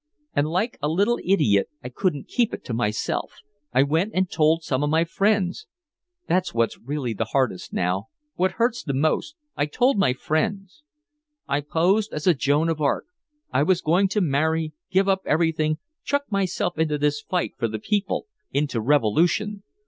And like a little idiot I couldn't keep it to myself, I went and told some of my friends. That's what's really the hardest now, what hurts the most I told my friends. I posed as a young Joan of Arc. I was going to marry, give up everything, chuck myself into this fight for the people, into revolution!